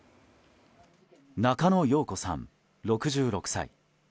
中野容子さん、６６歳。